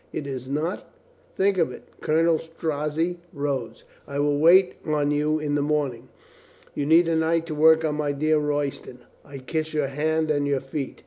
"Is it not? Think of it." Colonel Strozzi rose. "I will wait on you in the morning. You'll need a night to work on my dear Royston. I kiss your hands and your feet."